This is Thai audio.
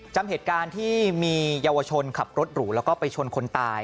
จำเหตุการณ์ที่มีเยาวชนขับรถหรูแล้วก็ไปชนคนตาย